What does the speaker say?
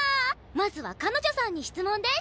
まずは彼女さんに質問です！